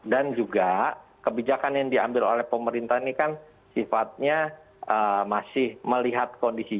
juga kebijakan yang diambil oleh pemerintah ini kan sifatnya masih melihat kondisi